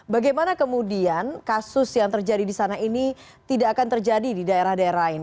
bagaimana kemudian kasus yang terjadi di sana ini tidak akan terjadi di daerah daerah ini